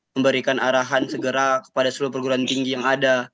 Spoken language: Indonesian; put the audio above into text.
memberikan arahan segera kepada seluruh perguruan tinggi yang ada